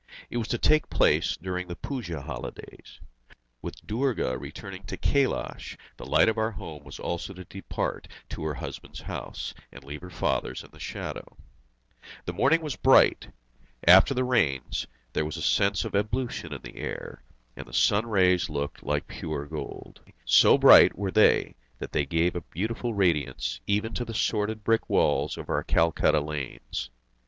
It was to take place during the Puja Holidays. With Durga returning to Kailas, the light of our home also was to depart to her husband's house, and leave her father's in the shadow. The morning was bright. After the rains, there was a sense of ablution in the air, and the sun rays looked like pure gold. So bright were they that they gave a beautiful radiance even to the sordid brick walls of our Calcutta lanes.